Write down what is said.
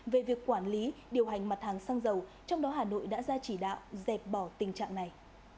về việc quản lý điều hành mặt hàng xăng dầu trong đó hà nội đã ra chỉ đạo dẹp bỏ tình trạng này